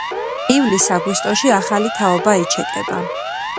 ივლის-აგვისტოში ახალი თაობა იჩეკება.